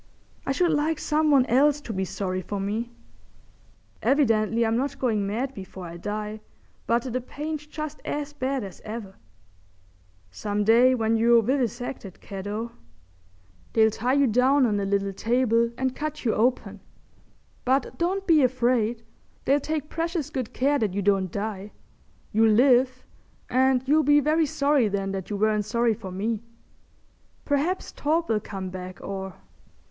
I should like some one else to be sorry for me. Evidently I'm not going mad before I die, but the pain's just as bad as ever. Some day when you're vivisected, cat O! they'll tie you down on a little table and cut you open—but don't be afraid; they'll take precious good care that you don't die. You'll live, and you'll be very sorry then that you weren't sorry for me. Perhaps Torp will come back or...